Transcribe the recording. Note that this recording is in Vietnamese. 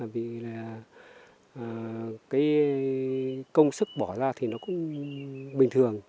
vì là cái công sức bỏ ra thì nó cũng bình thường